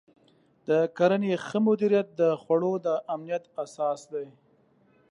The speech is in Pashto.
د کرنې ښه مدیریت د خوړو د امنیت اساس دی.